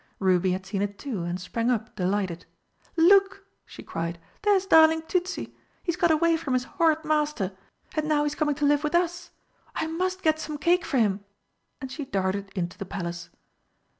Ruby had seen it too, and sprang up delighted. "Look!" she cried, "there's darling Tützi! He's got away from his horrid master and now he's coming to live with us! I must get some cake for him!" and she darted into the Palace.